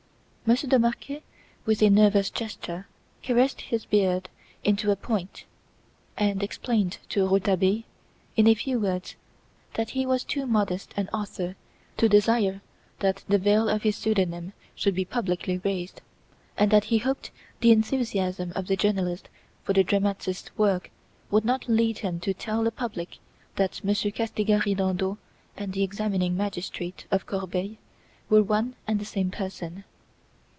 Monsieur de Marquet, with a nervous gesture, caressed his beard into a point, and explained to Rouletabille, in a few words, that he was too modest an author to desire that the veil of his pseudonym should be publicly raised, and that he hoped the enthusiasm of the journalist for the dramatist's work would not lead him to tell the public that Monsieur "Castigat Ridendo" and the examining magistrate of Corbeil were one and the same person.